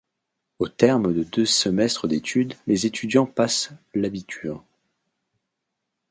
Au terme de deux semestres d'études, les étudiants passent l'Abitur.